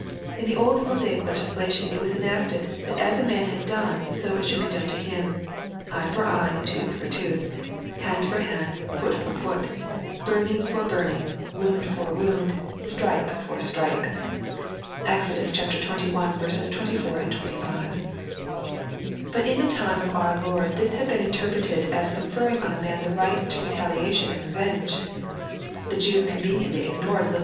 In the old Mosaic legislation it was enacted that as a man had done, so it should be done to him, " Eye for eye, tooth for tooth "—" band for hand, foot for foot, burning for burning, wound 3.n.iized by Google How TO Retaliate. 81 for wound, stripe for sliripe " (Ezod. zxi. 24, 25). But in the time of our Lord this had been interpreted as con ferring on a man the right to retaliation and revenge. The Jews conveniently ignored Lev.